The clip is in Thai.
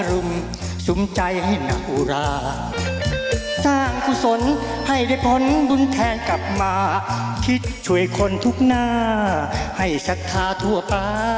ขอบคุณครับขอบคุณครับ